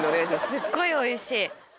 すっごいおいしい。